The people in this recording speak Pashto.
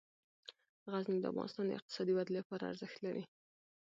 غزني د افغانستان د اقتصادي ودې لپاره ارزښت لري.